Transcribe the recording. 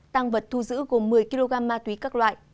tăng vật thu giữ gồm một mươi kg ma túy các loại